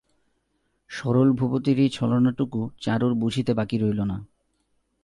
সরল ভূপতির এই ছলনাটুকু চারুর বুঝিতে বাকি রইল না।